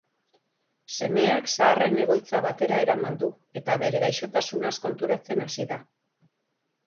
Semeak zaharren egoitza batera eraman du, eta bere gaixotasunaz konturatzen hasi da.